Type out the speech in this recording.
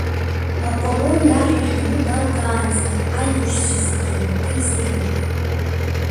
Аполлон иажәа ҳәаны далгаанӡа, аибашьцәа зегьы рнапы изеинырҟьеит.